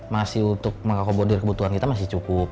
masih untuk mengakomodir kebutuhan kita masih cukup